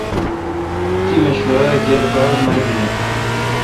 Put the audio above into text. تی مشورہ کیر باڑ مربینی۔